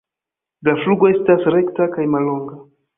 La flugo estas rekta kaj mallonga.